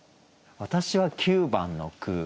私は９番の句。